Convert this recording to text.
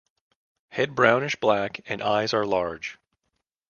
Head brownish black and eyes are large.